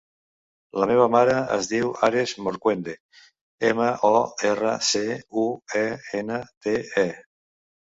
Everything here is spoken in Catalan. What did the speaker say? La meva mare es diu Ares Morcuende: ema, o, erra, ce, u, e, ena, de, e.